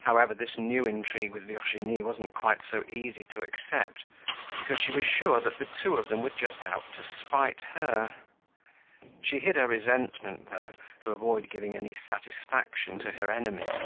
However, this new intrigue with Virginie wasn't quite so easy to accept because she was sure that the two of them were just out to spite her. She hid her resentment though to avoid giving any satisfaction to her enemies.